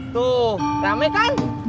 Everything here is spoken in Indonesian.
tuh rame kan